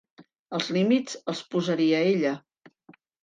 Els límits els posaria ella.